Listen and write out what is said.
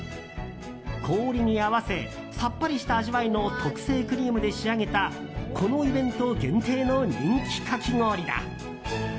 氷に合わせさっぱりした味わいの特製クリームで仕上げたこのイベント限定の人気かき氷だ。